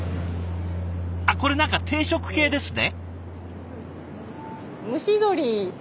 あっこれ何か定食系ですね。